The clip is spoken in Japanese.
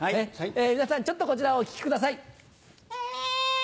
皆さんちょっとこちらをお聞きください。